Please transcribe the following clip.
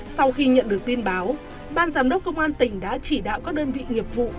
sau khi nhận được tin báo ban giám đốc công an tỉnh đã chỉ đạo các đơn vị nghiệp vụ